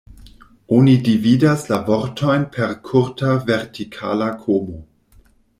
Oni dividas la vortojn per kurta vertikala komo.